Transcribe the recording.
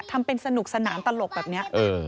ทำเป็นสนุกสนานตลกแบบนี้